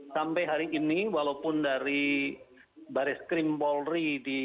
sampai hari ini walaupun dari baris krimpolri